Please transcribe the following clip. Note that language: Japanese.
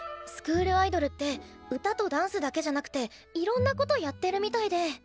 スクールアイドルって歌とダンスだけじゃなくていろんなことやってるみたいで。